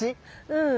うん。